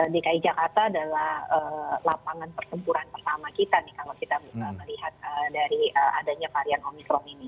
dki jakarta adalah lapangan pertempuran pertama kita nih kalau kita melihat dari adanya varian omikron ini